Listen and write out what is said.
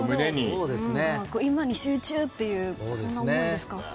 今に集中というそんな思いですか。